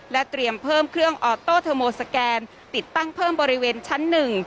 เตรียมเพิ่มเครื่องออโต้เทอร์โมสแกนติดตั้งเพิ่มบริเวณชั้นหนึ่ง